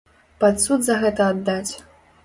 Пад суд за гэта аддаць!